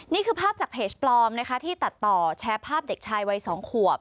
นี่คือภาพจากเพจปลอมนะคะที่ตัดต่อแชร์ภาพเด็กชายวัย๒ขวบ